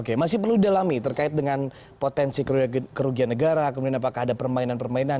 oke masih perlu didalami terkait dengan potensi kerugian negara kemudian apakah ada permainan permainan